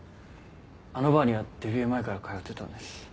あのバーにはデビュー前から通ってたんです。